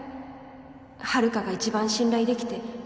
遥が一番信頼できて。